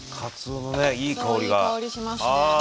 いい香りしますね。